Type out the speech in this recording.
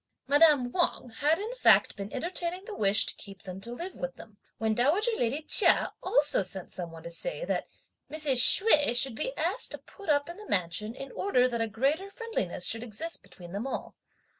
Madame Wang had in fact been entertaining the wish to keep them to live with them, when dowager lady Chia also sent some one to say that, "Mrs. Hsüeh should be asked to put up in the mansion in order that a greater friendliness should exist between them all."